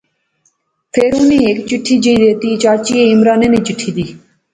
فیر انی ہیک چٹھی جئی دیتی، چاچی ایہہ عمرانے نی چٹھی دی